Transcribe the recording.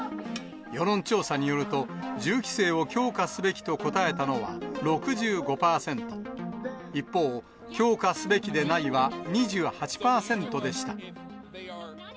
世論調査によると、銃規制を強化すべきと答えたのは６５％、一方、強化すべきでないは２８％でした。